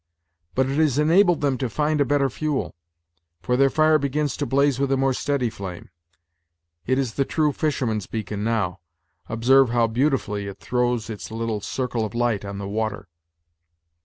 But it has enabled them to find a better fuel, for their fire begins to blaze with a more steady flame. It is the true fisherman's beacon now; observe how beautifully it throw s its little circle of light on the water!"